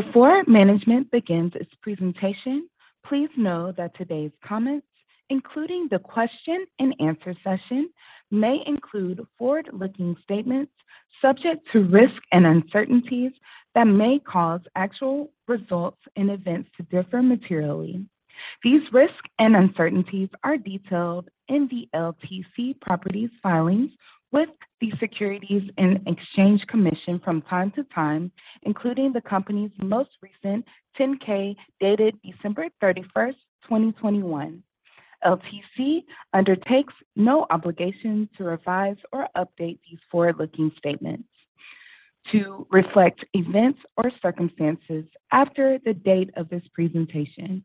Before management begins its presentation, please know that today's comments, including the question and answer session, may include forward-looking statements subject to risks and uncertainties that may cause actual results and events to differ materially. These risks and uncertainties are detailed in the LTC Properties filings with the Securities and Exchange Commission from time to time, including the company's most recent 10-K dated December 31, 2021. LTC undertakes no obligation to revise or update these forward-looking statements to reflect events or circumstances after the date of this presentation.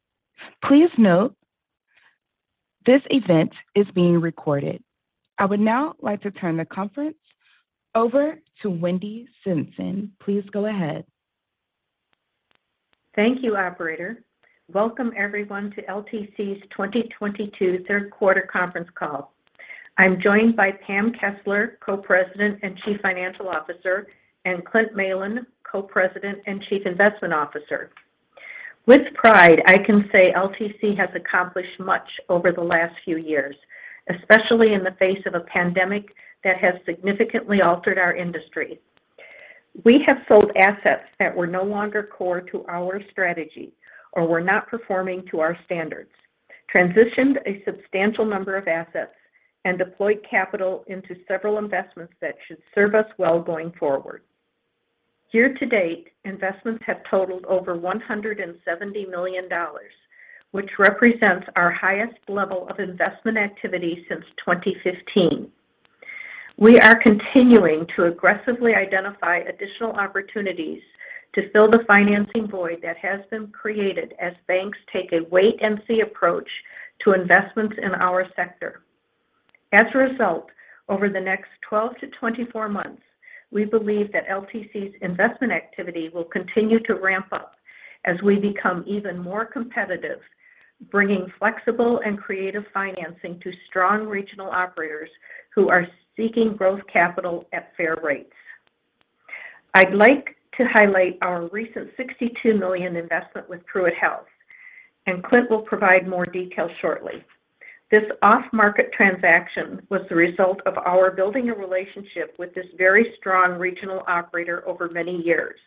Please note this event is being recorded. I would now like to turn the conference over to Wendy Simpson. Please go ahead. Thank you, operator. Welcome everyone to LTC's 2022 Q3 Conference Call. I'm joined by Pam Kessler, Co-President and Chief Financial Officer, and Clint Malin, Co-President and Chief Investment Officer. With pride, I can say LTC has accomplished much over the last few years, especially in the face of a pandemic that has significantly altered our industry. We have sold assets that were no longer core to our strategy or were not performing to our standards, transitioned a substantial number of assets, and deployed capital into several investments that should serve us well going forward. Year to date, investments have totaled over $170 million, which represents our highest level of investment activity since 2015. We are continuing to aggressively identify additional opportunities to fill the financing void that has been created as banks take a wait and see approach to investments in our sector. As a result, over the next 12 to 24 months, we believe that LTC's investment activity will continue to ramp up as we become even more competitive, bringing flexible and creative financing to strong regional operators who are seeking growth capital at fair rates. I'd like to highlight our recent $62 million investment with PruittHealth, and Clint will provide more details shortly. This off-market transaction was the result of our building a relationship with this very strong regional operator over many years.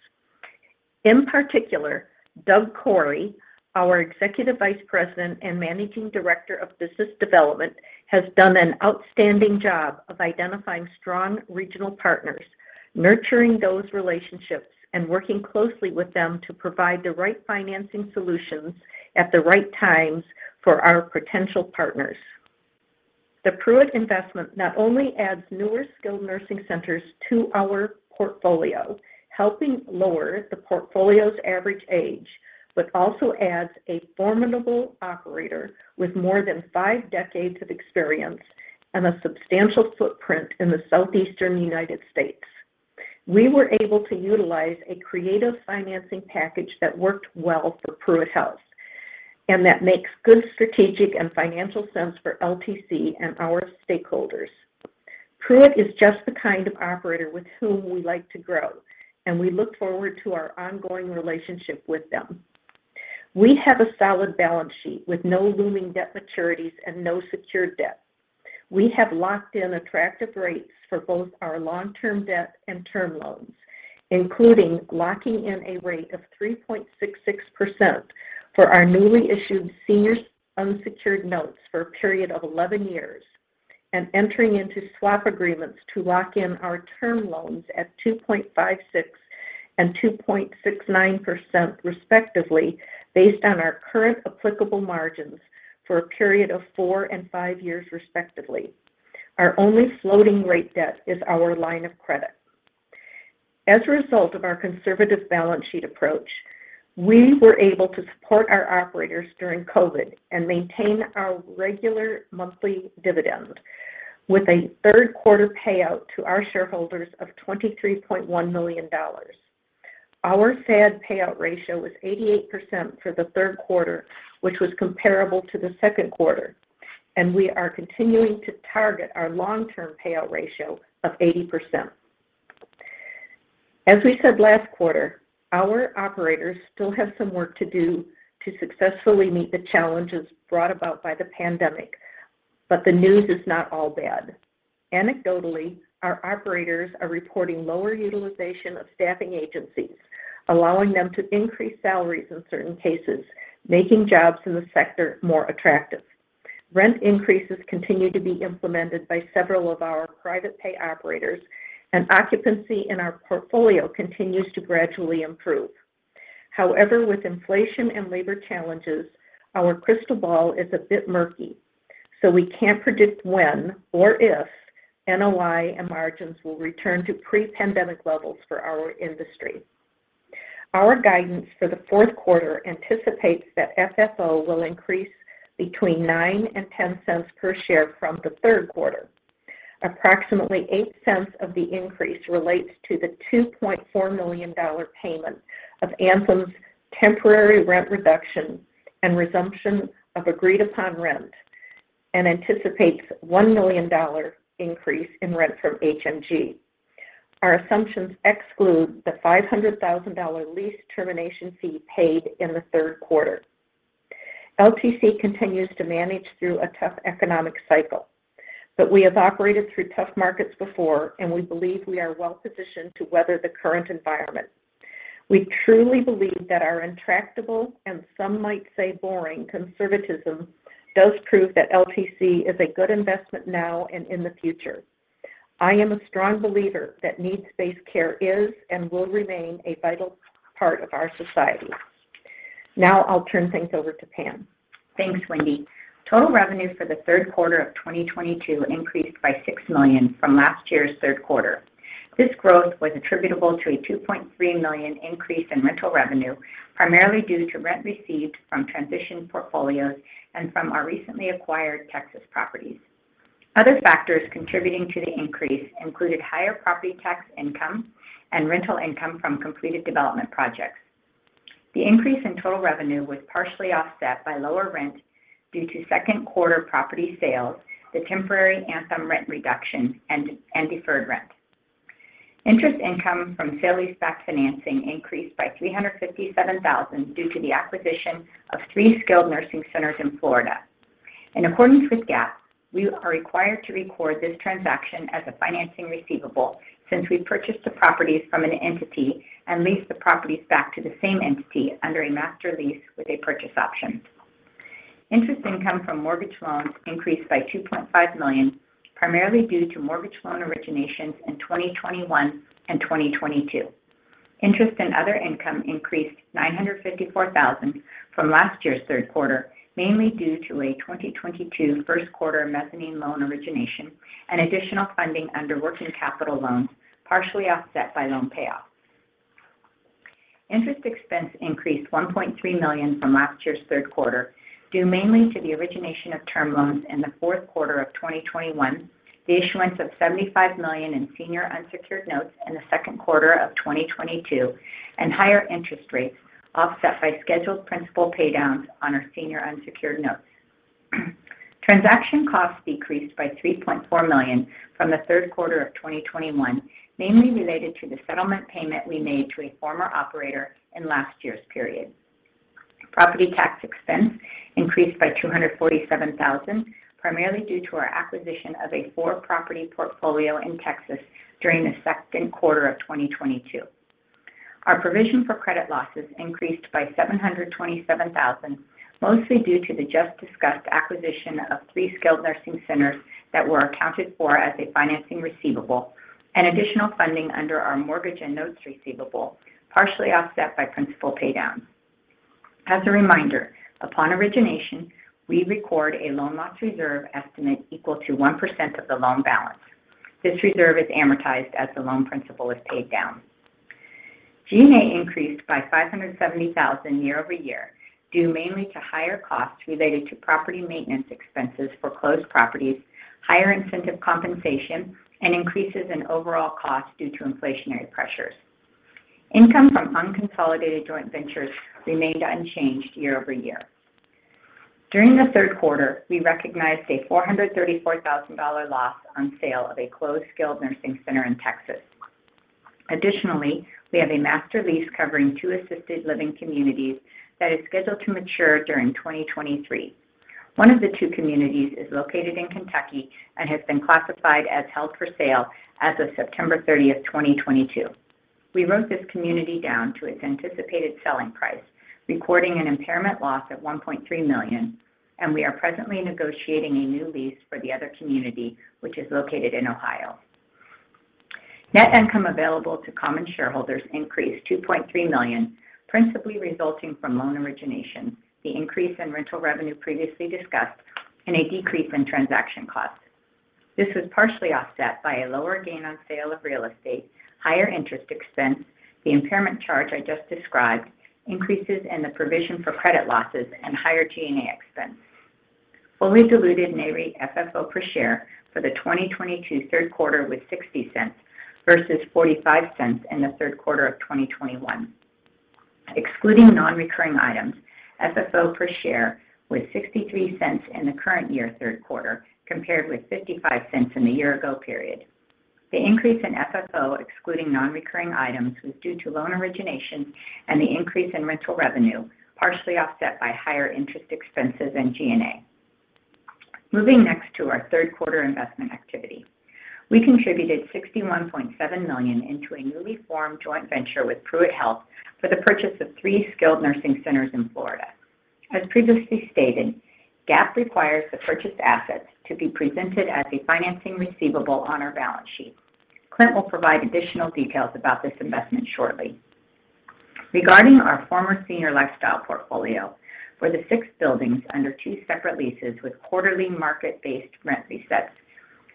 In particular, Doug Corey, our Executive Vice President and Managing Director of Business Development, has done an outstanding job of identifying strong regional partners, nurturing those relationships, and working closely with them to provide the right financing solutions at the right times for our potential partners. The PruittHealth investment not only adds newer skilled nursing centers to our portfolio, helping lower the portfolio's average age, but also adds a formidable operator with more than five decades of experience and a substantial footprint in the Southeastern United States. We were able to utilize a creative financing package that worked well for PruittHealth, and that makes good strategic and financial sense for LTC and our stakeholders. PruittHealth is just the kind of operator with whom we like to grow, and we look forward to our ongoing relationship with them. We have a solid balance sheet with no looming debt maturities and no secured debt. We have locked in attractive rates for both our long-term debt and term loans, including locking in a rate of 3.66% for our newly issued senior unsecured notes for a period of 11 years, and entering into swap agreements to lock in our term loans at 2.56% and 2.69% respectively based on our current applicable margins for a period of four and five years respectively. Our only floating rate debt is our line of credit. As a result of our conservative balance sheet approach, we were able to support our operators during COVID and maintain our regular monthly dividend with a Q3 payout to our shareholders of $23.1 million. Our stated payout ratio was 88% for the Q3, which was comparable to the Q2, and we are continuing to target our long-term payout ratio of 80%. As we said last quarter, our operators still have some work to do to successfully meet the challenges brought about by the pandemic, but the news is not all bad. Anecdotally, our operators are reporting lower utilization of staffing agencies, allowing them to increase salaries in certain cases, making jobs in the sector more attractive. Rent increases continue to be implemented by several of our private pay operators, and occupancy in our portfolio continues to gradually improve. However, with inflation and labor challenges, our crystal ball is a bit murky, so we can't predict when or if NOI and margins will return to pre-pandemic levels for our industry. Our guidance for the Q4 anticipates that FFO will increase between $0.09 and $0.10 per share from the Q3. Approximately $0.08 of the increase relates to the $2.4 million payment of Anthem's temporary rent reduction and resumption of agreed-upon rent. It anticipates $1 million increase in rent from HMG. Our assumptions exclude the $500,000 lease termination fee paid in the Q3. LTC continues to manage through a tough economic cycle, but we have operated through tough markets before, and we believe we are well-positioned to weather the current environment. We truly believe that our intractable, and some might say boring, conservatism does prove that LTC is a good investment now and in the future. I am a strong believer that needs-based care is and will remain a vital part of our society. Now, I'll turn things over to Pam. Thanks, Wendy. Total revenue for the Q3 of 2022 increased by $6 million from last year's Q3 This growth was attributable to a $2.3 million increase in rental revenue, primarily due to rent received from transition portfolios and from our recently acquired Texas properties. Other factors contributing to the increase included higher property tax income and rental income from completed development projects. The increase in total revenue was partially offset by lower rent due to Q2 property sales, the temporary Anthem rent reduction, and deferred rent. Interest income from sale leaseback financing increased by $357,000 due to the acquisition of three skilled nursing centers in Florida. In accordance with GAAP, we are required to record this transaction as a financing receivable since we purchased the properties from an entity and leased the properties back to the same entity under a master lease with a purchase option. Interest income from mortgage loans increased by $2.5 million, primarily due to mortgage loan originations in 2021 and 2022. Interest and other income increased $954,000 from last year's Q3, mainly due to a 2022 Q1 mezzanine loan origination and additional funding under working capital loans, partially offset by loan payoffs. Interest expense increased $1.3 million from last year's Q3, due mainly to the origination of term loans in the Q4 of 2021, the issuance of $75 million in senior unsecured notes in the Q2 of 2022, and higher interest rates offset by scheduled principal paydowns on our senior unsecured notes. Transaction costs decreased by $3.4 million from the Q3 of 2021, mainly related to the settlement payment we made to a former operator in last year's period. Property tax expense increased by $247,000, primarily due to our acquisition of a four-property portfolio in Texas during the Q2 of 2022. Our provision for credit losses increased by $727 thousand, mostly due to the just-discussed acquisition of three skilled nursing centers that were accounted for as a financing receivable and additional funding under our mortgage and notes receivable, partially offset by principal paydown. As a reminder, upon origination, we record a loan loss reserve estimate equal to 1% of the loan balance. This reserve is amortized as the loan principal is paid down. G&A increased by $570 thousand year-over-year, due mainly to higher costs related to property maintenance expenses for closed properties, higher incentive compensation, and increases in overall costs due to inflationary pressures. Income from unconsolidated joint ventures remained unchanged year-over-year. During the Q3, we recognized a $434 thousand loss on sale of a closed skilled nursing center in Texas. Additionally, we have a master lease covering two assisted living communities that is scheduled to mature during 2023. One of the two communities is located in Kentucky and has been classified as held for sale as of September 30, 2022. We wrote this community down to its anticipated selling price, recording an impairment loss of $1.3 million, and we are presently negotiating a new lease for the other community, which is located in Ohio. Net income available to common shareholders increased $2.3 million, principally resulting from loan origination, the increase in rental revenue previously discussed, and a decrease in transaction costs. This was partially offset by a lower gain on sale of real estate, higher interest expense, the impairment charge I just described, increases in the provision for credit losses, and higher G&A expense. Fully diluted NAREIT FFO per share for the 2022 Q3 was $0.60 versus $0.45 in the Q3 of 2021. Excluding non-recurring items, FFO per share was $0.63 in the current year Q3, compared with $0.55 in the year-ago period. The increase in FFO excluding non-recurring items was due to loan originations and the increase in rental revenue, partially offset by higher interest expenses and G&A. Moving next to our Q3 investment activity. We contributed $61.7 million into a newly formed joint venture with PruittHealth for the purchase of three skilled nursing centers in Florida. As previously stated, GAAP requires the purchased assets to be presented as a financing receivable on our balance sheet. Clint will provide additional details about this investment shortly. Regarding our former Senior Lifestyle portfolio, for the six buildings under two separate leases with quarterly market-based rent resets,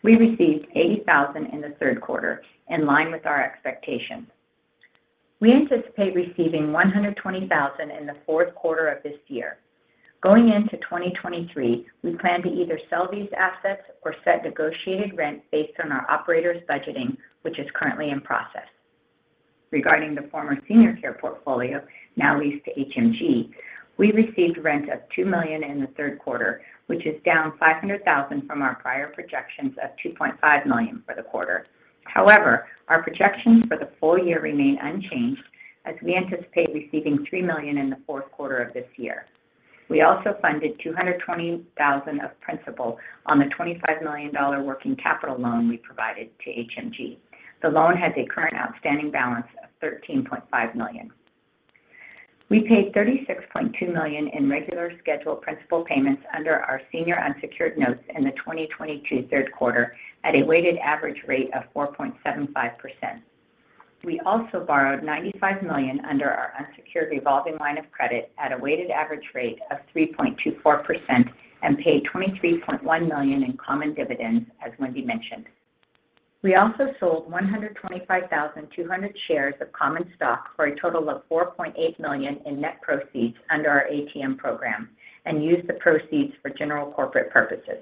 we received $80,000 in the Q3, in line with our expectations. We anticipate receiving $120,000 in the Q4 of this year. Going into 2023, we plan to either sell these assets or set negotiated rent based on our operator's budgeting, which is currently in process. Regarding the former Senior Care portfolio now leased to HMG, we received rent of $2 million in the Q3, which is down $500,000 from our prior projections of $2.5 million for the quarter. However, our projections for the full year remain unchanged as we anticipate receiving $3 million in the Q4 of this year. We also funded $220,000 of principal on the $25 million working capital loan we provided to HMG. The loan has a current outstanding balance of $13.5 million. We paid $36.2 million in regular scheduled principal payments under our senior unsecured notes in the 2022 Q3 at a weighted average rate of 4.75%. We also borrowed $95 million under our unsecured revolving line of credit at a weighted average rate of 3.24% and paid $23.1 million in common dividends, as Wendy mentioned. We also sold 125,200 shares of common stock for a total of $4.8 million in net proceeds under our ATM program and used the proceeds for general corporate purposes.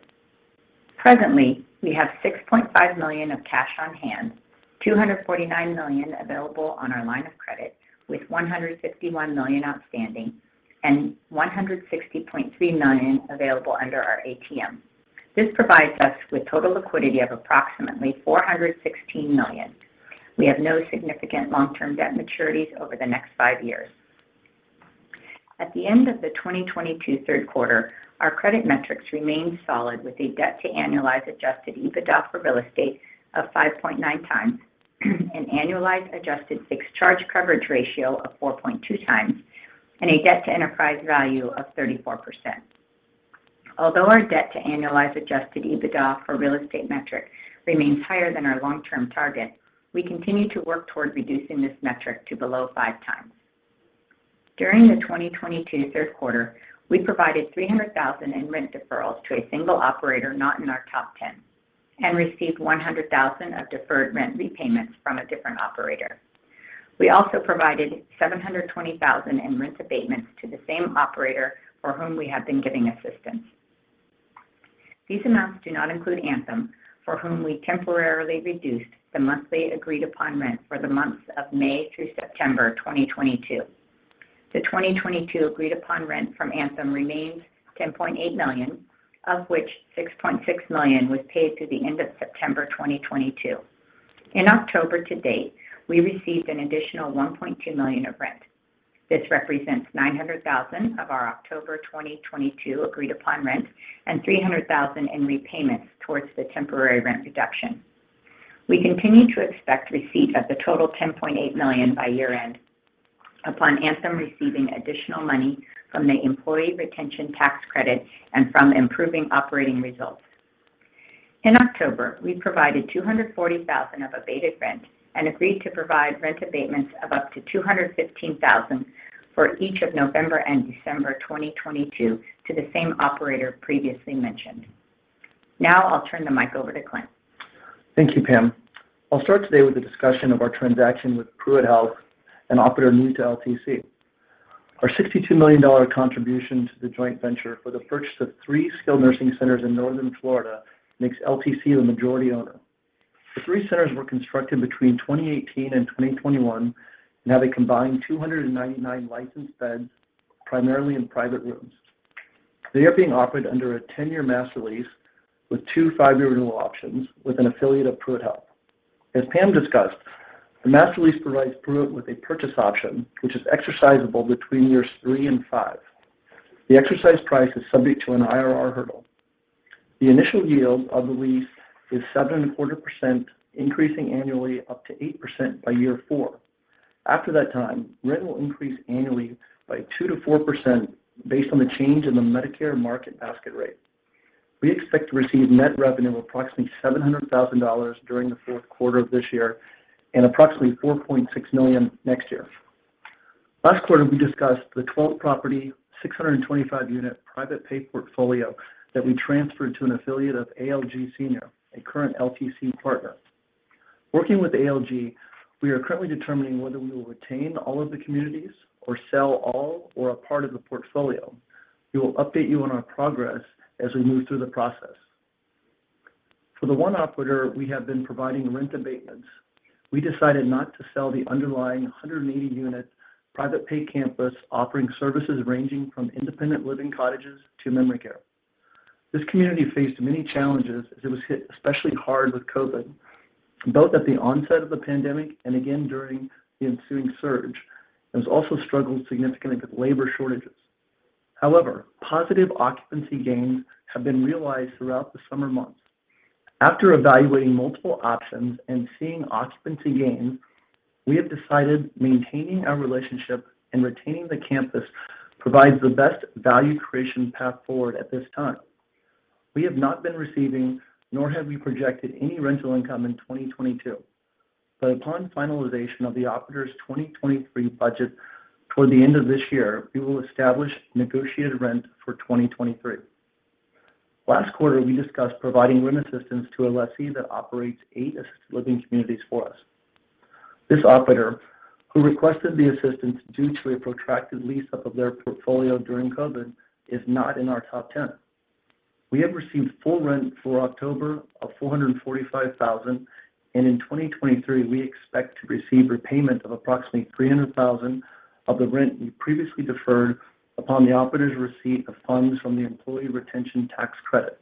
Presently, we have $6.5 million of cash on hand, $249 million available on our line of credit with $151 million outstanding and $160.3 million available under our ATM. This provides us with total liquidity of approximately $416 million. We have no significant long-term debt maturities over the next five years. At the end of the 2022 Q3, our credit metrics remained solid with a debt to annualized adjusted EBITDA for real estate of 5.9x, an annualized adjusted fixed charge coverage ratio of 4.2x, and a debt to enterprise value of 34%. Although our debt to annualized adjusted EBITDA for real estate metric remains higher than our long-term target, we continue to work toward reducing this metric to below 5x. During the 2022 Q3, we provided $300 thousand in rent deferrals to a single operator not in our top ten and received $100 thousand of deferred rent repayments from a different operator. We also provided $720 thousand in rent abatements to the same operator for whom we have been giving assistance. These amounts do not include Anthem, for whom we temporarily reduced the monthly agreed-upon rent for the months of May through September 2022. The 2022 agreed-upon rent from Anthem remains $10.8 million, of which $6.6 million was paid through the end of September 2022. In October to date, we received an additional $1.2 million of rent. This represents $900 thousand of our October 2022 agreed-upon rent and $300 thousand in repayments towards the temporary rent reduction. We continue to expect receipt of the total $10.8 million by year-end upon Anthem receiving additional money from the Employee Retention Tax Credit and from improving operating results. In October, we provided $240,000 of abated rent and agreed to provide rent abatements of up to $215,000 for each of November and December 2022 to the same operator previously mentioned. Now I'll turn the mic over to Clint. Thank you, Pam. I'll start today with a discussion of our transaction with PruittHealth, an operator new to LTC. Our $62 million contribution to the joint venture for the purchase of three skilled nursing centers in northern Florida makes LTC the majority owner. The three centers were constructed between 2018 to 2021 and have a combined 299 licensed beds, primarily in private rooms. They are being offered under a 10-year master lease with two five-year renewal options with an affiliate of PruittHealth. As Pam discussed, the master lease provides PruittHealth with a purchase option, which is exercisable between years three and five. The exercise price is subject to an IRR hurdle. The initial yield of the lease is 7.25%, increasing annually up to 8% by year four. After that time, rent will increase annually by 2% to 4% based on the change in the Medicare market basket rate. We expect to receive net revenue of approximately $700,000 during the Q4 of this year and approximately $4.6 million next year. Last quarter, we discussed the 12-property, 625-unit private pay portfolio that we transferred to an affiliate of ALG Senior, a current LTC partner. Working with ALG, we are currently determining whether we will retain all of the communities or sell all or a part of the portfolio. We will update you on our progress as we move through the process. For the one operator we have been providing rent abatements, we decided not to sell the underlying 180-unit private pay campus offering services ranging from independent living cottages to memory care. This community faced many challenges as it was hit especially hard with COVID, both at the onset of the pandemic and again during the ensuing surge, and has also struggled significantly with labor shortages. However, positive occupancy gains have been realized throughout the summer months. After evaluating multiple options and seeing occupancy gains, we have decided maintaining our relationship and retaining the campus provides the best value creation path forward at this time. We have not been receiving, nor have we projected any rental income in 2022. Upon finalization of the operator's 2023 budget toward the end of this year, we will establish negotiated rent for 2023. Last quarter, we discussed providing rent assistance to a lessee that operates eight assisted living communities for us. This operator, who requested the assistance due to a protracted lease up of their portfolio during COVID, is not in our top 10. We have received full rent for October of $445,000, and in 2023, we expect to receive repayment of approximately $300,000 of the rent we previously deferred upon the operator's receipt of funds from the Employee Retention Tax Credit.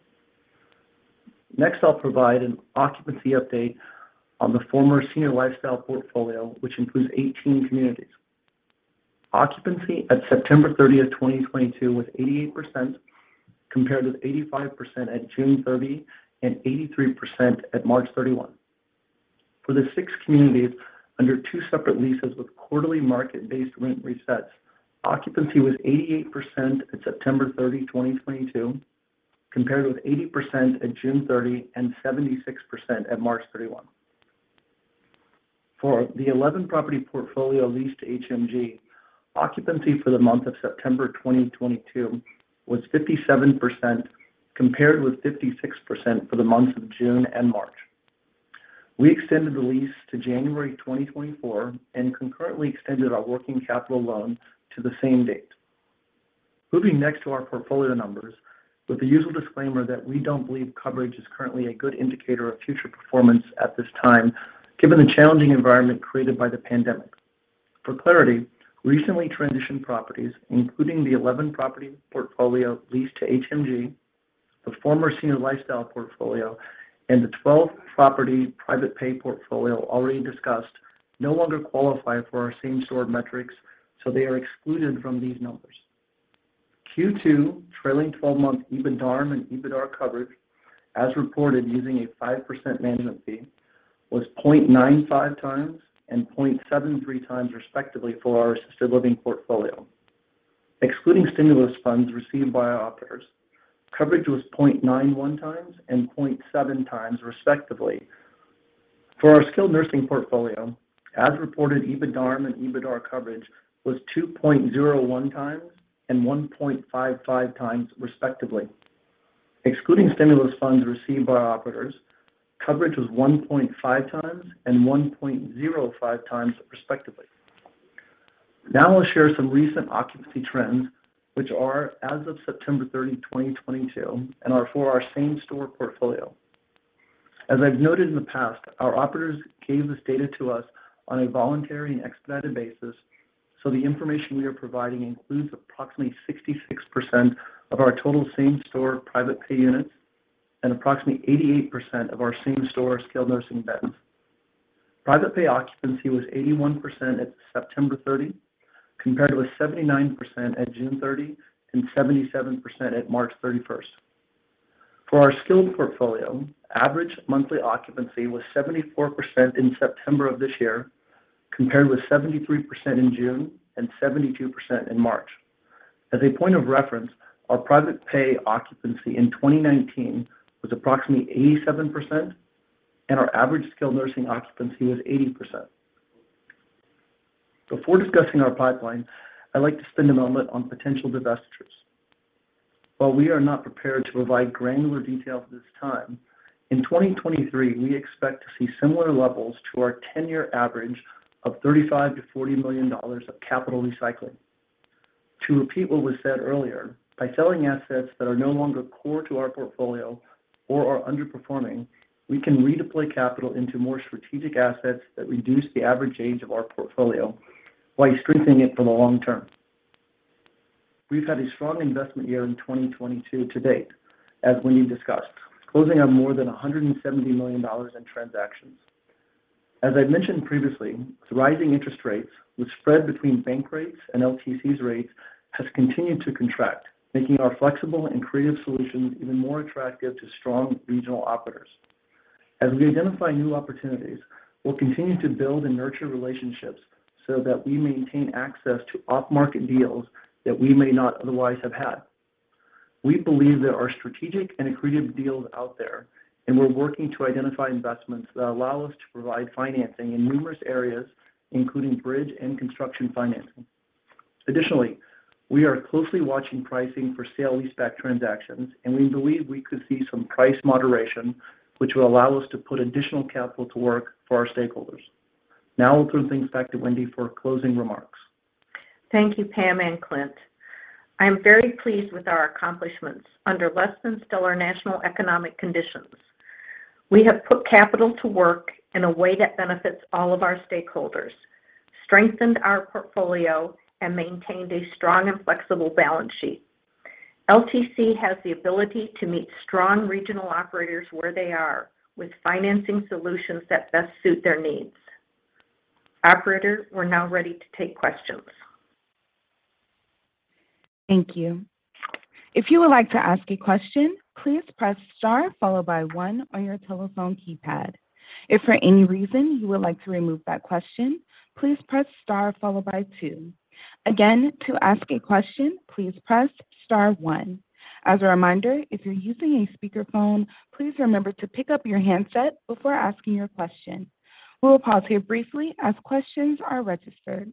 Next, I'll provide an occupancy update on the former Senior Lifestyle portfolio, which includes 18 communities. Occupancy at September 30, 2022 was 88% compared with 85% at June 30 and 83% at March 31. For the six communities under two separate leases with quarterly market-based rent resets, occupancy was 88% at September 30, 2022, compared with 80% at June 30 and 76% at March 31. For the 11-property portfolio leased to HMG, occupancy for the month of September 2022 was 57%, compared with 56% for the months of June and March. We extended the lease to January 2024 and concurrently extended our working capital loan to the same date. Moving next to our portfolio numbers with the usual disclaimer that we don't believe coverage is currently a good indicator of future performance at this time, given the challenging environment created by the pandemic. For clarity, recently transitioned properties, including the 11-property portfolio leased to HMG, the former Senior Lifestyle portfolio, and the 12-property private pay portfolio already discussed no longer qualify for our same store metrics, so they are excluded from these numbers. Q2 trailing 12-month EBITDARM and EBITDAR coverage, as reported using a 5% management fee, was 0.95x and 0.73x, respectively, for our assisted living portfolio. Excluding stimulus funds received by our operators, coverage was 0.91x and 0.7x, respectively. For our skilled nursing portfolio, as reported, EBITDARM and EBITDAR coverage was 2.01x and 1.55x, respectively. Excluding stimulus funds received by our operators, coverage was 1.5x and 1.05x, respectively. Now I'll share some recent occupancy trends which are as of September 30, 2022, and are for our same store portfolio. As I've noted in the past, our operators gave this data to us on a voluntary and expedited basis, so the information we are providing includes approximately 66% of our total same store private pay units and approximately 88% of our same store skilled nursing beds. Private pay occupancy was 81% at September 30 compared with 79% at June 30 and 77% at March 31. For our skilled portfolio, average monthly occupancy was 74% in September of this year, compared with 73% in June and 72% in March. As a point of reference, our private pay occupancy in 2019 was approximately 87%, and our average skilled nursing occupancy was 80%. Before discussing our pipeline, I'd like to spend a moment on potential divestitures. While we are not prepared to provide granular details at this time, in 2023, we expect to see similar levels to our 10-year average of $35 million to $40 million of capital recycling. To repeat what was said earlier, by selling assets that are no longer core to our portfolio or are underperforming, we can redeploy capital into more strategic assets that reduce the average age of our portfolio while strengthening it for the long term. We've had a strong investment year in 2022 to date, as Wendy discussed, closing on more than $170 million in transactions. As I've mentioned previously, the rising interest rates, the spread between bank rates and LTC's rates, has continued to contract, making our flexible and creative solutions even more attractive to strong regional operators. As we identify new opportunities, we'll continue to build and nurture relationships so that we maintain access to off-market deals that we may not otherwise have had. We believe there are strategic and accretive deals out there, and we're working to identify investments that allow us to provide financing in numerous areas, including bridge and construction financing. Additionally, we are closely watching pricing for sale leaseback transactions, and we believe we could see some price moderation which will allow us to put additional capital to work for our stakeholders. Now I'll turn things back to Wendy for closing remarks. Thank you, Pam and Clint. I am very pleased with our accomplishments under less than stellar national economic conditions. We have put capital to work in a way that benefits all of our stakeholders, strengthened our portfolio, and maintained a strong and flexible balance sheet. LTC has the ability to meet strong regional operators where they are with financing solutions that best suit their needs. Operator, we're now ready to take questions. Thank you. If you would like to ask a question, please press star followed by one on your telephone keypad. If for any reason you would like to remove that question, please press star followed by two. Again, to ask a question, please press star one. As a reminder, if you're using a speakerphone, please remember to pick up your handset before asking your question. We will pause here briefly as questions are registered.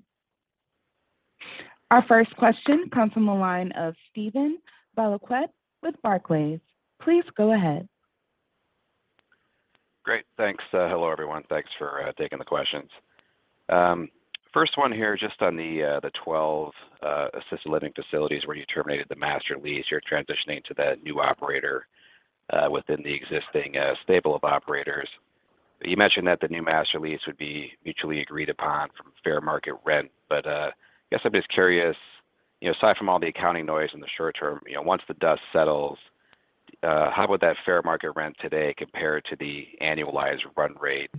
Our first question comes from the line of Steven Valiquette with Barclays. Please go ahead. Thanks. Hello everyone. Thanks for taking the questions. First one here, just on the 12 assisted living facilities where you terminated the master lease. You're transitioning to that new operator within the existing stable of operators. You mentioned that the new master lease would be mutually agreed upon from fair market rent. I guess I'm just curious, you know, aside from all the accounting noise in the short term, you know, once the dust settles, how would that fair market rent today compare to the annualized run rate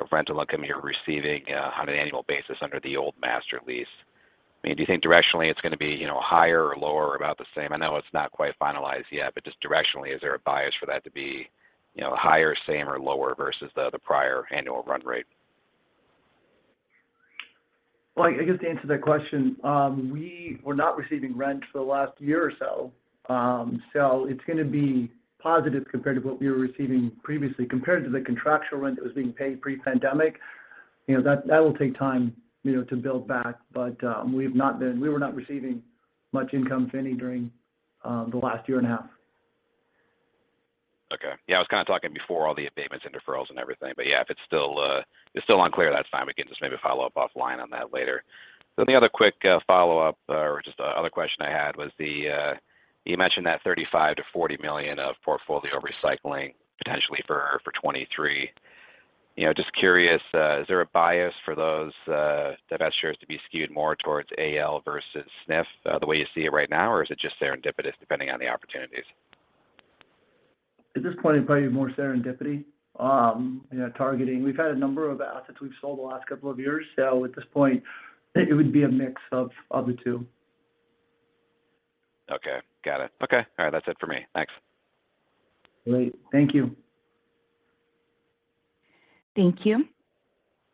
of rental income you're receiving on an annual basis under the old master lease? I mean, do you think directionally it's gonna be, you know, higher or lower, about the same? I know it's not quite finalized yet, but just directionally, is there a bias for that to be, you know, higher, same, or lower versus the prior annual run rate? Well, I guess to answer that question, we were not receiving rent for the last year or so. It's gonna be positive compared to what we were receiving previously. Compared to the contractual rent that was being paid pre-pandemic, you know, that will take time, you know, to build back. We were not receiving much income, if any, during the last year and a half. Okay. Yeah, I was kind of talking before all the abatements and deferrals and everything. Yeah, if it's still unclear at this time, we can just maybe follow up offline on that later. The other quick follow-up or just other question I had was, you mentioned that $35 million to $40 million of portfolio recycling potentially for 2023. You know, just curious, is there a bias for those divestitures to be skewed more towards AL versus SNF, the way you see it right now? Or is it just serendipitous depending on the opportunities? At this point, it's probably more serendipity, you know, targeting. We've had a number of assets we've sold the last couple of years. At this point, it would be a mix of the two. Okay. Got it. Okay. All right, that's it for me. Thanks. Great. Thank you. Thank you.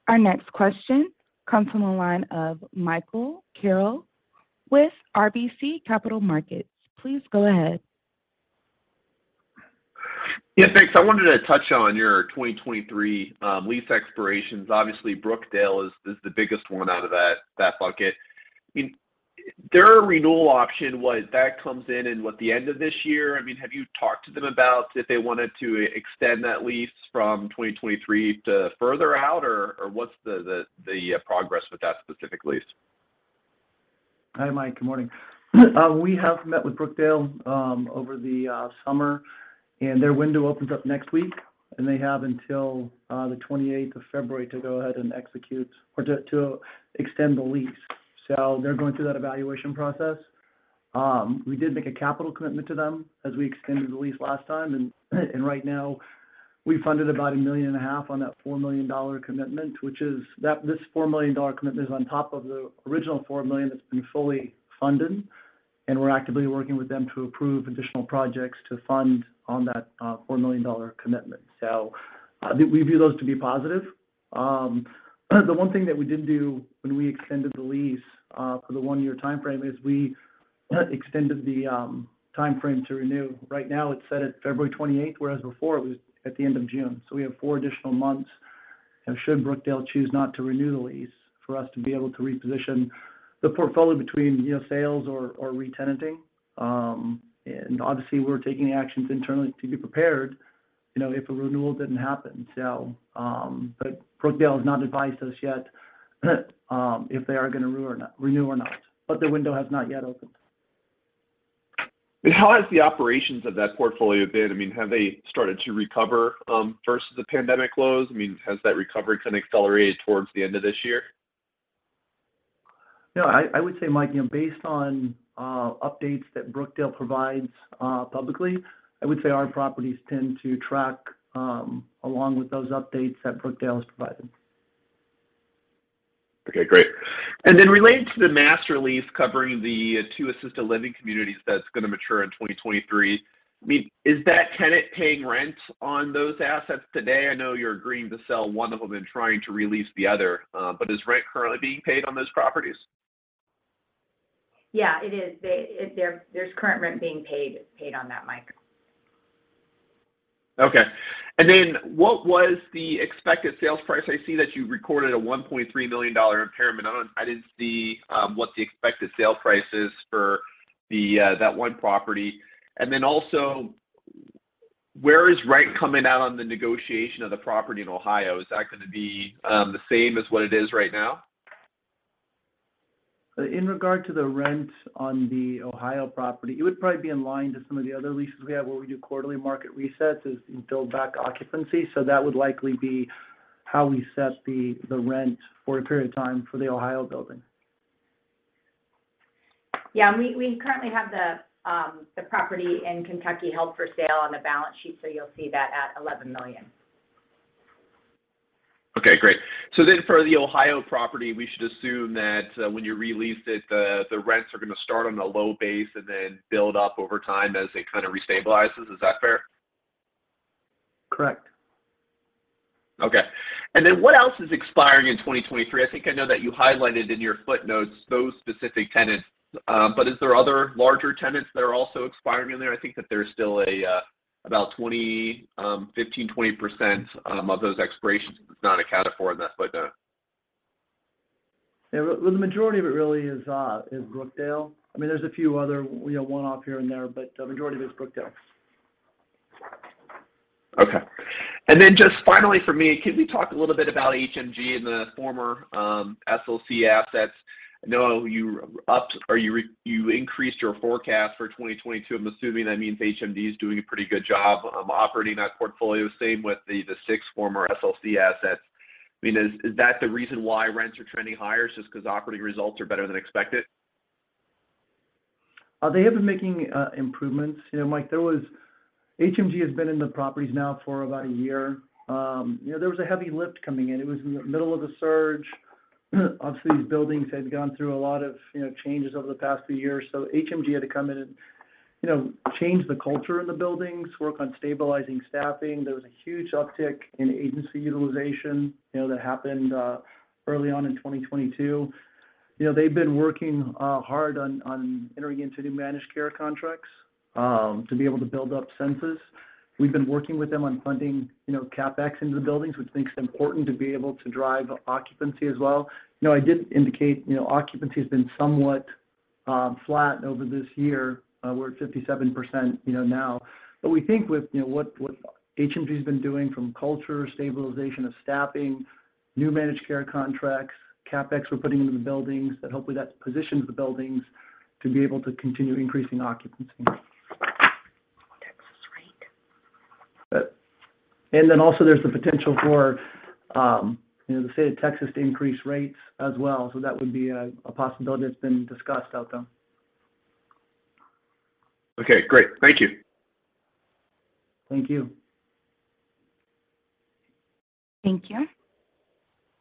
Our next question comes from the line of Michael Carroll with RBC Capital Markets. Please go ahead. Yeah, thanks. I wanted to touch on your 2023 lease expirations. Obviously, Brookdale is the biggest one out of that bucket. I mean, their renewal option that comes in the end of this year? I mean, have you talked to them about if they wanted to extend that lease from 2023 to further out, or what's the progress with that specific lease? Hi, Mike. Good morning. We have met with Brookdale over the summer, and their window opens up next week, and they have until the 28th of February to go ahead and execute or to extend the lease. They're going through that evaluation process. We did make a capital commitment to them as we extended the lease last time. And right now, we funded about $1.5 million on that $4 million commitment, which is this $4 million commitment is on top of the original $4 million that's been fully funded, and we're actively working with them to approve additional projects to fund on that $4 million commitment. We view those to be positive. The one thing that we didn't do when we extended the lease for the one-year timeframe is we extended the timeframe to renew. Right now, it's set at February 28th, whereas before it was at the end of June. We have four additional months, you know, should Brookdale choose not to renew the lease, for us to be able to reposition the portfolio between, you know, sales or re-tenanting. Obviously, we're taking actions internally to be prepared, you know, if a renewal didn't happen. Brookdale has not advised us yet if they are gonna renew or not, but their window has not yet opened. How has the operations of that portfolio been? I mean, have they started to recover versus the pandemic lows? I mean, has that recovery kind of accelerated towards the end of this year? You know, I would say, Mike, you know, based on updates that Brookdale provides publicly, I would say our properties tend to track along with those updates that Brookdale is providing. Okay, great. Related to the master lease covering the two assisted living communities that's gonna mature in 2023, I mean, is that tenant paying rent on those assets today? I know you're agreeing to sell one of them and trying to re-lease the other, but is rent currently being paid on those properties? Yeah, it is. There's current rent being paid. It's paid on that, Mike. Okay. What was the expected sales price? I see that you recorded a $1.3 million impairment. I didn't see what the expected sale price is for that one property. Where is rent coming out on the negotiation of the property in Ohio? Is that gonna be the same as what it is right now? In regard to the rent on the Ohio property, it would probably be in line to some of the other leases we have where we do quarterly market resets as we build back occupancy. That would likely be how we set the rent for a period of time for the Ohio building. Yeah. We currently have the property in Kentucky held for sale on the balance sheet. You'll see that at $11 million. Okay, great. For the Ohio property, we should assume that when you re-lease it, the rents are gonna start on a low base and then build up over time as it kind of re-stabilizes. Is that fair? Correct. Okay. What else is expiring in 2023? I think I know that you highlighted in your footnotes those specific tenants. But is there other larger tenants that are also expiring in there? I think that there's still about 15% to 20% of those expirations that's not accounted for in that footnote. The majority of it really is Brookdale. I mean, there's a few other, you know, one-off here and there, but the majority of it is Brookdale. Okay. Just finally from me, can we talk a little bit about HMG and the former SLC assets? I know you increased your forecast for 2022. I'm assuming that means HMG is doing a pretty good job of operating that portfolio. Same with the six former SLC assets. I mean, is that the reason why rents are trending higher, just 'cause operating results are better than expected? They have been making improvements. You know, Mike, HMG has been in the properties now for about a year. You know, there was a heavy lift coming in. It was in the middle of the surge. Obviously, these buildings had gone through a lot of, you know, changes over the past few years. So HMG had to come in and, you know, change the culture in the buildings, work on stabilizing staffing. There was a huge uptick in agency utilization, you know, that happened early on in 2022. You know, they've been working hard on entering into new managed care contracts to be able to build up census. We've been working with them on funding, you know, CapEx into the buildings, which we think is important to be able to drive occupancy as well. You know, I did indicate, you know, occupancy has been somewhat flat over this year. We're at 57%, you know, now. We think with, you know, what HMG's been doing from culture, stabilization of staffing, new managed care contracts, CapEx we're putting into the buildings, that hopefully positions the buildings to be able to continue increasing occupancy. [inaudible] Texas rate. Then also there's the potential for, you know, the state of Texas to increase rates as well. That would be a possibility that's been discussed out there. Okay, great. Thank you. Thank you. Thank you.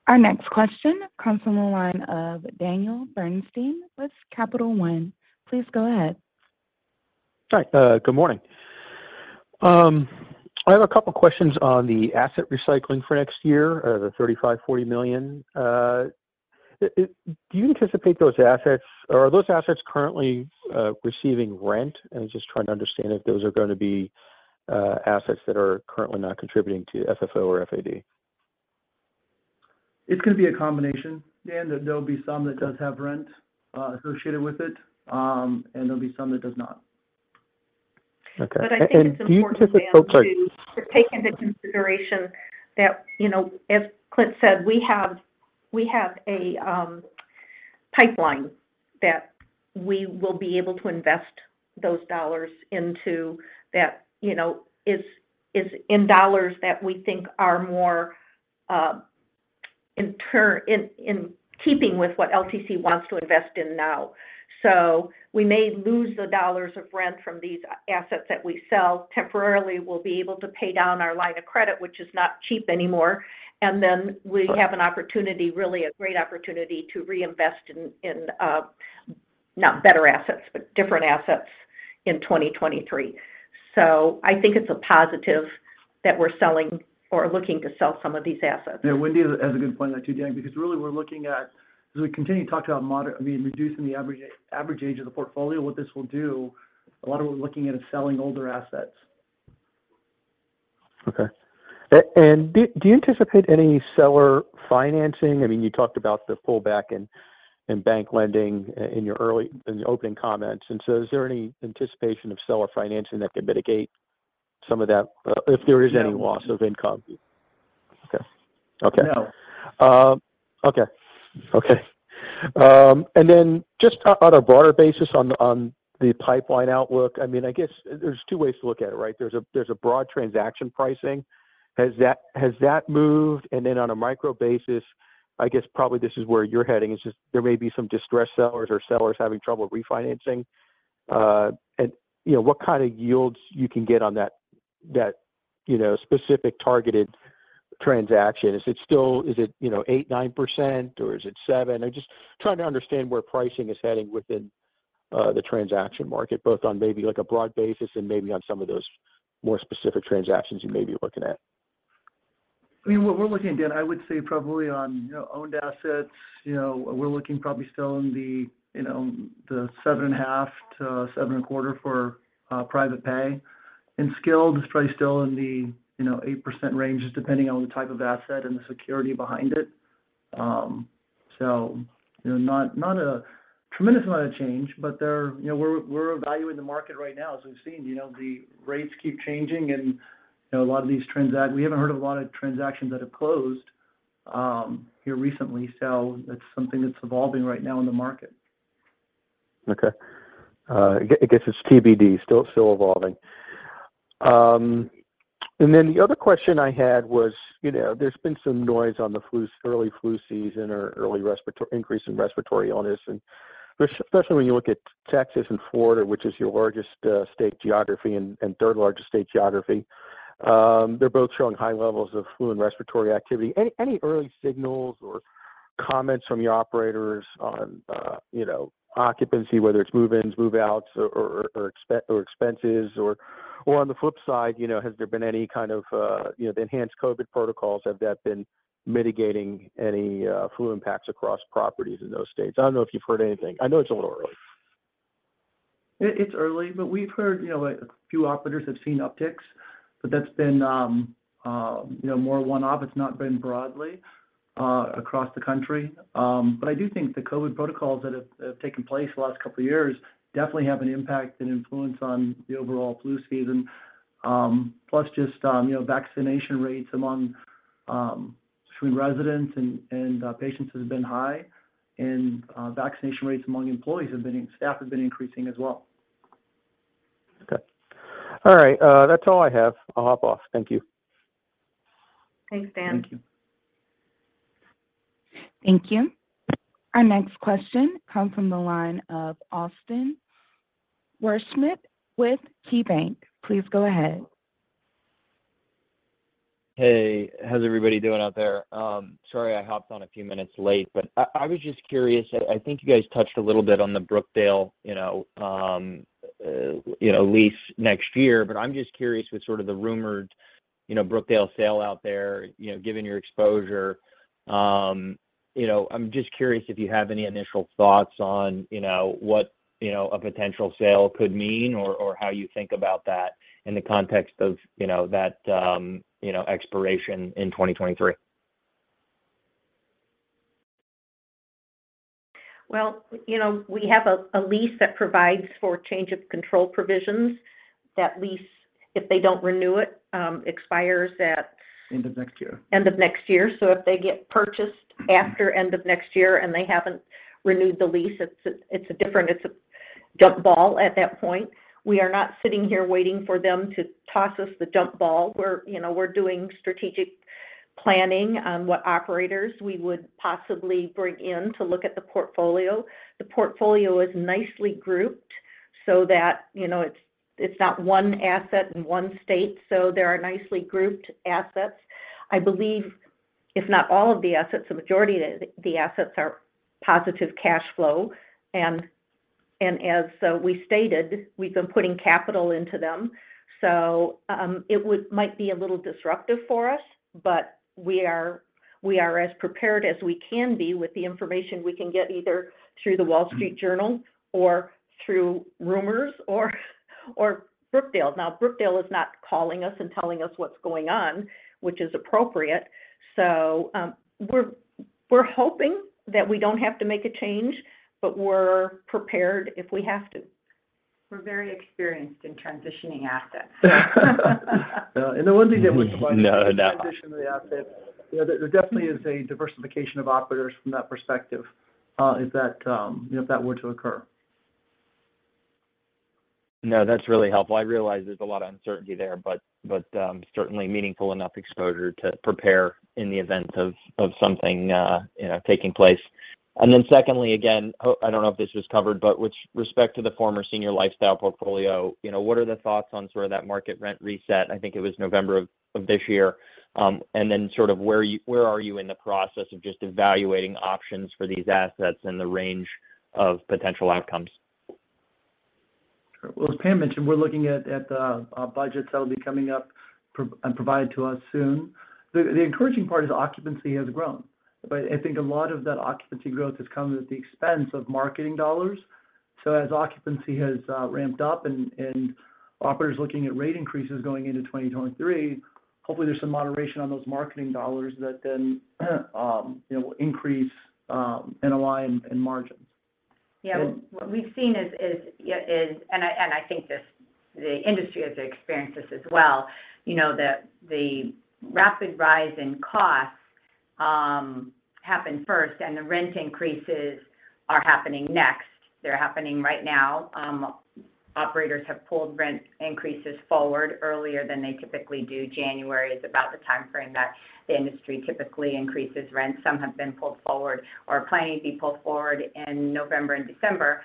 Our next question comes from the line of Daniel Bernstein with Capital One. Please go ahead. Hi. Good morning. I have a couple questions on the asset recycling for next year, the $35 to $40 million. Do you anticipate those assets? Are those assets currently receiving rent? I'm just trying to understand if those are gonna be assets that are currently not contributing to FFO or FAD. It's gonna be a combination. Yeah, there'll be some that does have rent associated with it, and there'll be some that does not. Okay. Do you anticipate- I think it's important, Dan, to take into consideration that, you know, as Clint said, we have a pipeline that we will be able to invest those dollars into that, you know, is in dollars that we think are more in keeping with what LTC wants to invest in now. We may lose the dollars of rent from these assets that we sell. Temporarily, we'll be able to pay down our line of credit, which is not cheap anymore. Then we have an opportunity, really a great opportunity to reinvest in not better assets, but different assets in 2023. I think it's a positive that we're selling or looking to sell some of these assets. Yeah. Wendy has a good point on that too, Dan, because really we're looking at. As we continue to talk about, I mean, reducing the average age of the portfolio, what this will do, a lot of what we're looking at is selling older assets. Okay. Do you anticipate any seller financing? I mean, you talked about the pullback in bank lending in your opening comments. Is there any anticipation of seller financing that could mitigate some of that, if there is any loss of income? No. Okay. Okay. No. On a broader basis on the pipeline outlook, I mean, I guess there's two ways to look at it, right? There's a broad transaction pricing. Has that moved? On a micro basis, I guess probably this is where you're heading, it's just there may be some distressed sellers or sellers having trouble refinancing. You know, what kind of yields you can get on that specific targeted transaction? Is it still 8% to 9% or is it 7%? I'm just trying to understand where pricing is heading within the transaction market, both on maybe like a broad basis and maybe on some of those more specific transactions you may be looking at. I mean, what we're looking at, Dan, I would say probably on, you know, owned assets, you know, we're looking probably still in the, you know, the 7.5% to 7.25% for private pay. In skilled, it's probably still in the, you know, 8% range just depending on the type of asset and the security behind it. So, you know, not a tremendous amount of change, but they're. You know, we're evaluating the market right now. As we've seen, you know, the rates keep changing and, you know, we haven't heard of a lot of transactions that have closed here recently. It's something that's evolving right now in the market. Okay. I guess it's TBD, still evolving. The other question I had was, you know, there's been some noise on the flu early flu season or early increase in respiratory illness. Especially when you look at Texas and Florida, which is your largest state geography and third largest state geography, they're both showing high levels of flu and respiratory activity. Any early signals or comments from your operators on, you know, occupancy, whether it's move-ins, move-outs or expenses or on the flip side, you know, has there been any kind of, you know, the enhanced COVID protocols, have that been mitigating any flu impacts across properties in those states? I don't know if you've heard anything. I know it's a little early. It's early, but we've heard you know a few operators have seen upticks, but that's been you know more one-off. It's not been broadly across the country. I do think the COVID protocols that have taken place the last couple of years definitely have an impact and influence on the overall flu season. Plus just you know vaccination rates between residents and patients has been high. Vaccination rates among employees have been staff has been increasing as well. Okay. All right. That's all I have. I'll hop off. Thank you. Thanks, Daniel. Thank you. Thank you. Our next question comes from the line of Austin Wurschmidt with KeyBanc. Please go ahead. Hey, how's everybody doing out there? Sorry I hopped on a few minutes late, but I was just curious. I think you guys touched a little bit on the Brookdale, you know, lease next year, but I'm just curious with sort of the rumored, you know, Brookdale sale out there, you know, given your exposure, you know, I'm just curious if you have any initial thoughts on, you know, what, you know, a potential sale could mean or how you think about that in the context of, you know, that, you know, expiration in 2023. Well, you know, we have a lease that provides for change of control provisions. That lease, if they don't renew it, expires at- End of next year. End of next year. If they get purchased after end of next year and they haven't renewed the lease, it's a different. It's a jump ball at that point. We are not sitting here waiting for them to toss us the jump ball. We're, you know, we're doing strategic planning on what operators we would possibly bring in to look at the portfolio. The portfolio is nicely grouped so that, you know, it's not one asset in one state. There are nicely grouped assets. I believe if not all of the assets, the majority of the assets are positive cash flow. As we stated, we've been putting capital into them. Might be a little disruptive for us, but we are as prepared as we can be with the information we can get either through The Wall Street Journal or through rumors or Brookdale. Now, Brookdale is not calling us and telling us what's going on, which is appropriate. We're hoping that we don't have to make a change, but we're prepared if we have to. We're very experienced in transitioning assets. And the one thing that we- No, no transition the assets, you know, there definitely is a diversification of operators from that perspective, if that were to occur. No, that's really helpful. I realize there's a lot of uncertainty there, but certainly meaningful enough exposure to prepare in the event of something, you know, taking place. Secondly, again, I don't know if this was covered, but with respect to the former Senior Lifestyle portfolio, you know, what are the thoughts on sort of that market rent reset? I think it was November of this year. Sort of where are you in the process of just evaluating options for these assets and the range of potential outcomes? Sure. Well, as Pam mentioned, we're looking at the budgets that'll be coming up and provided to us soon. The encouraging part is occupancy has grown. I think a lot of that occupancy growth has come at the expense of marketing dollars. As occupancy has ramped up and operators looking at rate increases going into 2023, hopefully there's some moderation on those marketing dollars that then you know will increase NOI and margins. Yeah. What we've seen is the industry has experienced this as well. You know, the rapid rise in costs happened first, and the rent increases are happening next. They're happening right now. Operators have pulled rent increases forward earlier than they typically do. January is about the timeframe that the industry typically increases rent. Some have been pulled forward or are planning to be pulled forward in November and December.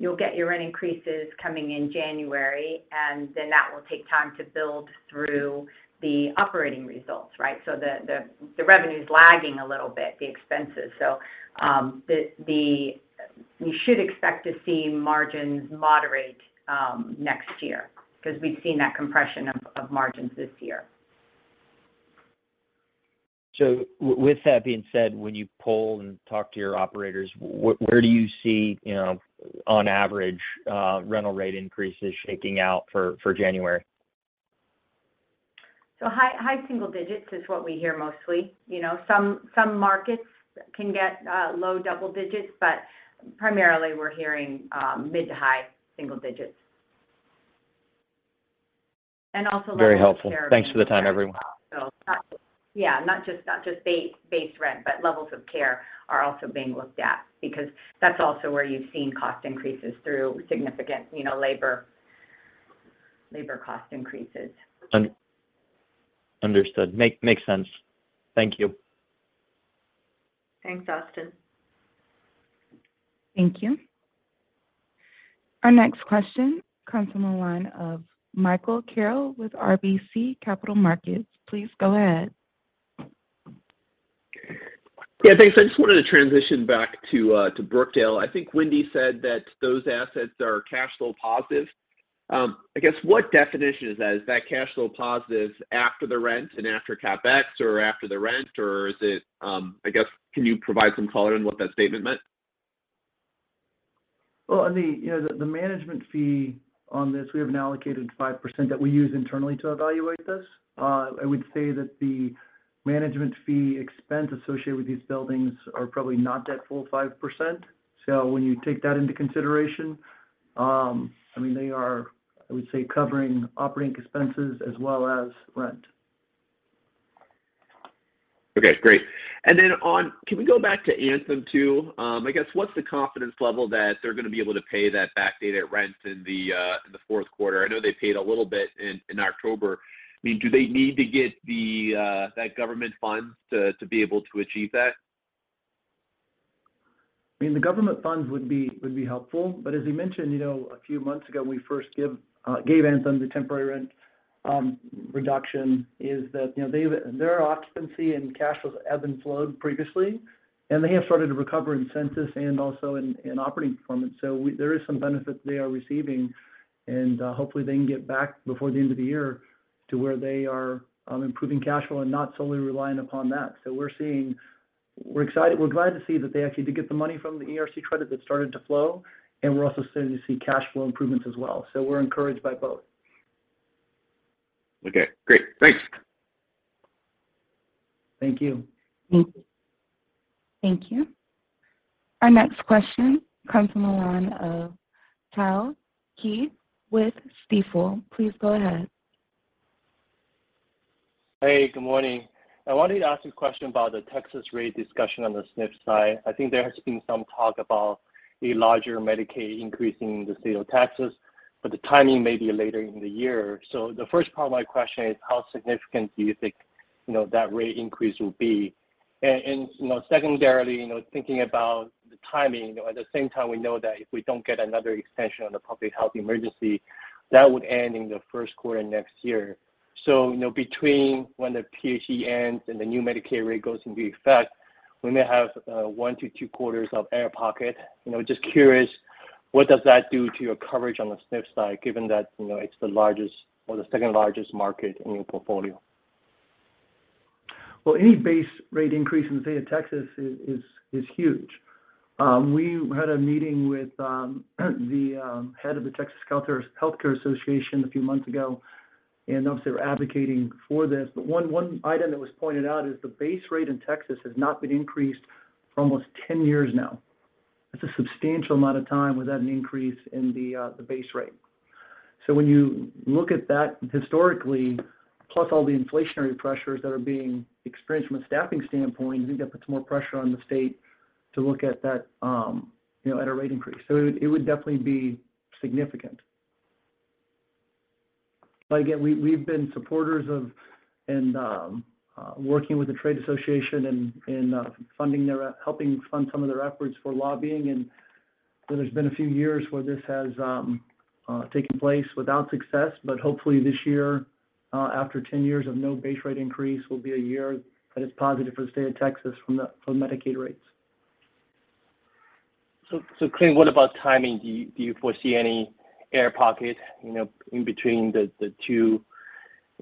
You'll get your rent increases coming in January, and then that will take time to build through the operating results, right? The revenue's lagging a little bit, the expenses. You should expect to see margins moderate next year because we've seen that compression of margins this year. With that being said, when you poll and talk to your operators, where do you see, you know, on average, rental rate increases shaking out for January? High single digits is what we hear mostly. You know, some markets can get low double digits, but primarily we're hearing mid- to high single digits. Also levels of care. Very helpful. Thanks for the time, everyone. Yeah, not just base rent, but levels of care are also being looked at because that's also where you've seen cost increases through significant, you know, labor cost increases. Understood. Makes sense. Thank you. Thanks, Austin. Thank you. Our next question comes from the line of Michael Carroll with RBC Capital Markets. Please go ahead. Yeah, thanks. I just wanted to transition back to Brookdale. I think Wendy said that those assets are cash flow positive. I guess what definition is that? Is that cash flow positive after the rent and after CapEx or after the rent, or is it, I guess, can you provide some color on what that statement meant? On the management fee on this, we have now allocated 5% that we use internally to evaluate this. I would say that the management fee expense associated with these buildings are probably not that full 5%. When you take that into consideration, they are, I would say, covering operating expenses as well as rent. Okay, great. Can we go back to Anthem, too? I guess, what's the confidence level that they're gonna be able to pay that backdated rent in the Q4? I know they paid a little bit in October. I mean, do they need to get that government funds to be able to achieve that? I mean, the government funds would be helpful. But as you mentioned, you know, a few months ago when we first gave Anthem the temporary rent reduction, you know, they've their occupancy and cash flow has been slowed previously. They have started to recover in census and also in operating performance. There is some benefit they are receiving, and hopefully they can get back before the end of the year to where they are improving cash flow and not solely reliant upon that. We're excited. We're glad to see that they actually did get the money from the ERC credit that started to flow, and we're also starting to see cash flow improvements as well. We're encouraged by both. Okay, great. Thanks. Thank you. Thank you. Thank you. Our next question comes from the line of Tao Qiu with Stifel. Please go ahead. Hey, good morning. I wanted to ask you a question about the Texas rate discussion on the SNF side. I think there has been some talk about a larger Medicaid increase in the state of Texas, but the timing may be later in the year. The first part of my question is, how significant do you think, you know, that rate increase will be? And you know, secondarily, you know, thinking about the timing. You know, at the same time, we know that if we don't get another extension on the public health emergency, that would end in the Q1 next year. Between when the PHE ends and the new Medicare rate goes into effect, we may have one to two quarters of air pocket. You know, just curious, what does that do to your coverage on the SNF side, given that, you know, it's the largest or the second-largest market in your portfolio? Well, any base rate increase in the state of Texas is huge. We had a meeting with the head of the Texas Health Care Association a few months ago, and obviously they're advocating for this. One item that was pointed out is the base rate in Texas has not been increased for almost 10 years now. That's a substantial amount of time without an increase in the base rate. When you look at that historically, plus all the inflationary pressures that are being experienced from a staffing standpoint, I think that puts more pressure on the state to look at that, you know, at a rate increase. It would definitely be significant. Again, we've been supporters of and working with the trade association in funding their helping fund some of their efforts for lobbying. There's been a few years where this has taken place without success. Hopefully this year, after 10 years of no base rate increase, will be a year that is positive for the state of Texas from Medicaid rates. Clint, what about timing? Do you foresee any air pocket, you know, in between the two,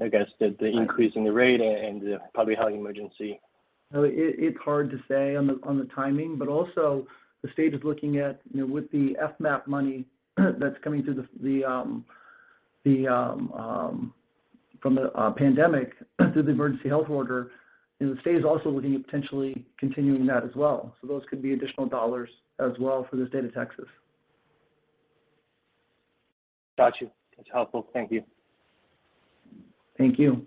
I guess, the increase in the rate and the public health emergency? It's hard to say on the timing, but also the state is looking at, you know, with the FMAP money that's coming from the pandemic through the emergency health order. The state is also looking at potentially continuing that as well. Those could be additional dollars as well for the state of Texas. Got you. That's helpful. Thank you. Thank you.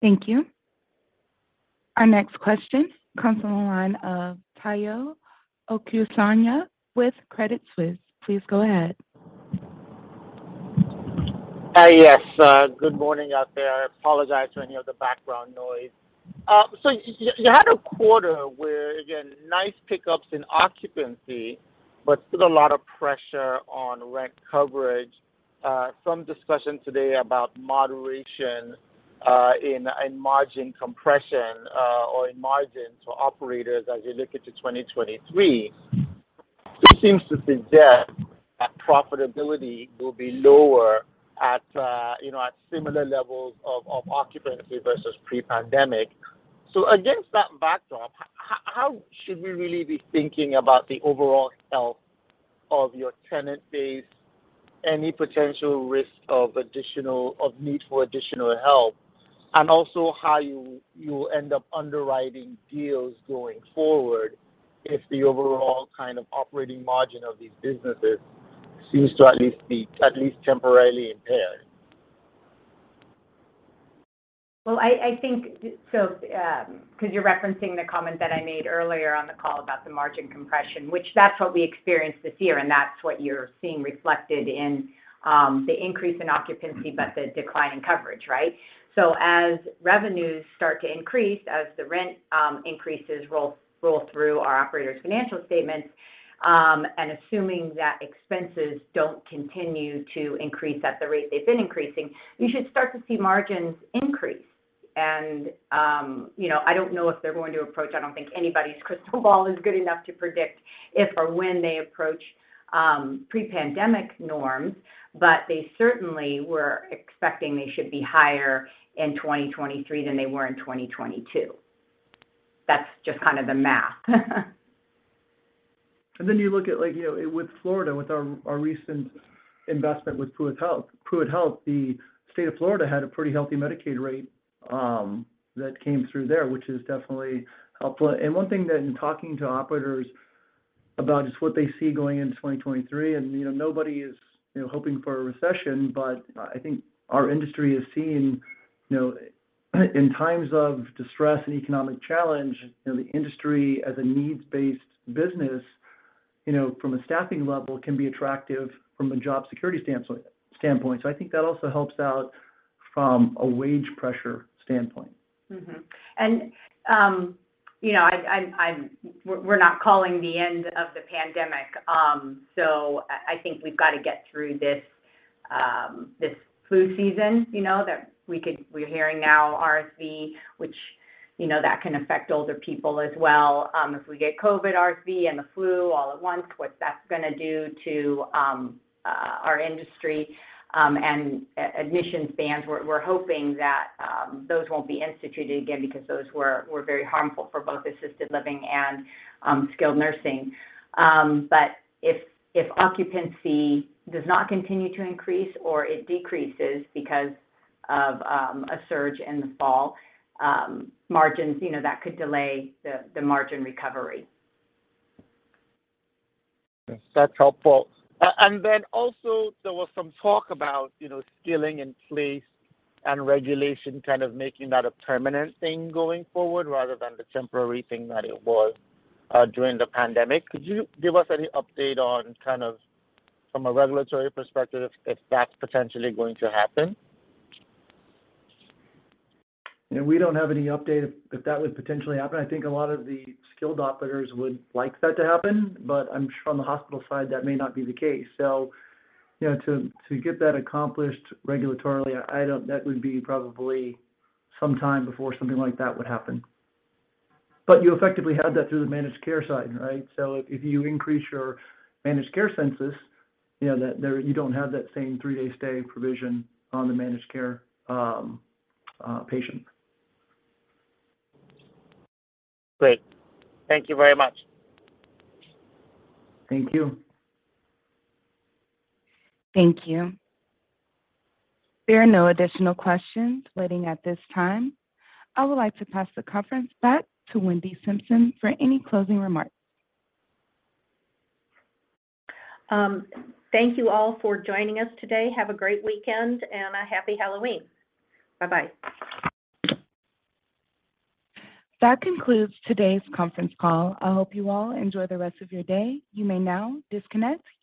Thank you. Our next question comes from the line of Omotayo Okusanya with Credit Suisse. Please go ahead. Hi, yes. Good morning out there. I apologize for any of the background noise. You had a quarter where, again, nice pickups in occupancy, but still a lot of pressure on rent coverage. Some discussion today about moderation in margin compression or in margin to operators as you look into 2023. It seems to suggest that profitability will be lower at, you know, at similar levels of occupancy versus pre-pandemic. Against that backdrop, how should we really be thinking about the overall health of your tenant base, any potential risk of need for additional help, and also how you end up underwriting deals going forward if the overall kind of operating margin of these businesses seems to at least be, at least temporarily impaired? I think because you're referencing the comment that I made earlier on the call about the margin compression, which that's what we experienced this year, and that's what you're seeing reflected in the increase in occupancy, but the decline in coverage, right? As revenues start to increase, as the rent increases roll through our operators' financial statements, and assuming that expenses don't continue to increase at the rate they've been increasing, you should start to see margins increase. You know, I don't know if they're going to approach. I don't think anybody's crystal ball is good enough to predict if or when they approach pre-pandemic norms. They certainly were expecting they should be higher in 2023 than they were in 2022. That's just kind of the math. Then you look at like, you know, with Florida, with our recent investment with PruittHealth. PruittHealth, the state of Florida had a pretty healthy Medicaid rate that came through there, which is definitely helpful. One thing that in talking to operators about just what they see going into 2023, and, you know, nobody is, you know, hoping for a recession, but I think our industry has seen, you know, in times of distress and economic challenge, you know, the industry as a needs-based business, you know, from a staffing level, can be attractive from a job security standpoint. I think that also helps out from a wage pressure standpoint. We're not calling the end of the pandemic. I think we've got to get through this flu season, you know, we're hearing now RSV, which, you know, that can affect older people as well. If we get COVID, RSV, and the flu all at once, what that's gonna do to our industry, and admission bans, we're hoping that those won't be instituted again because those were very harmful for both assisted living and skilled nursing. If occupancy does not continue to increase or it decreases because of a surge in the fall, margins, you know, that could delay the margin recovery. That's helpful. And then also there was some talk about, you know, aging in place and regulation kind of making that a permanent thing going forward rather than the temporary thing that it was during the pandemic. Could you give us any update on kind of from a regulatory perspective if that's potentially going to happen? You know, we don't have any update if that would potentially happen. I think a lot of the skilled operators would like that to happen, but I'm sure on the hospital side, that may not be the case. You know, to get that accomplished regulatorily, that would be probably some time before something like that would happen. You effectively have that through the managed care side, right? If you increase your managed care census, you know, you don't have that same three-day stay provision on the managed care patient. Great. Thank you very much. Thank you. Thank you. There are no additional questions waiting at this time. I would like to pass the conference back to Wendy Simpson for any closing remarks. Thank you all for joining us today. Have a great weekend and a happy Halloween. Bye-bye. That concludes today's conference call. I hope you all enjoy the rest of your day. You may now disconnect your lines.